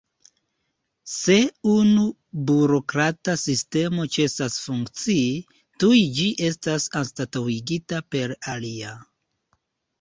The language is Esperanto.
Se unu burokrata sistemo ĉesas funkcii, tuj ĝi estas anstataŭigita per alia.